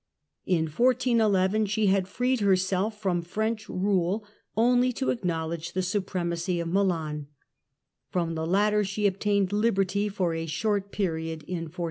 In 1411 she had freed herself from French rule only to acknowledge the supremacy of Milan ; from the latter she obtained liberty for a short period in 1435.